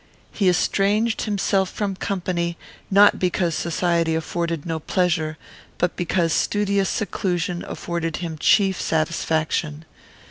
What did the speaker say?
He estranged himself from company, not because society afforded no pleasure, but because studious seclusion afforded him chief satisfaction.